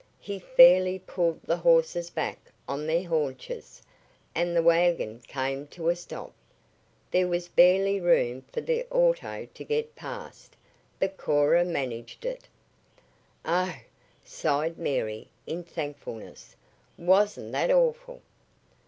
He fairly pulled the horses back on their haunches, and the wagon came to a stop. There was barely room for the auto to get past, but Cora managed it. "Oh!" sighed Mary in thankfulness. "Wasn't that awful?"